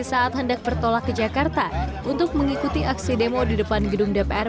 saat hendak bertolak ke jakarta untuk mengikuti aksi demo di depan gedung dpr